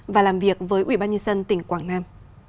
và làm việc với ubnd tỉnh quảng nam